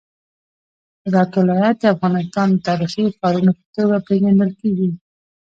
هرات ولایت د افغانستان د تاریخي ښارونو په توګه پیژندل کیږي.